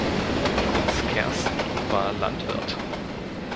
Fritz Kersten war Landwirt.